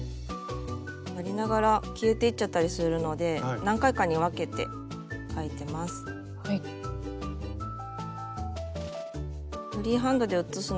やりながら消えていっちゃったりするので何回かに分けて描いてます。